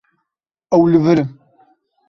Ew li vir in.